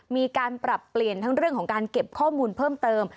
มีการปรับเปลี่ยนทั้งเรื่องของการเก็บข้อมูลเพิ่มเติม